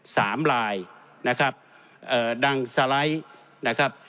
สามลายนะครับเอ่อดังสไลด์นะครับ